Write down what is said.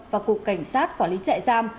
và cục cảnh sát quản lý trại giam